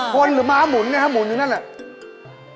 คนหรือม้ามุนนะคะหมุนอยู่ด้านนั้น